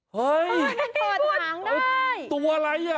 เฮ้ยตัวอะไรอ่ะ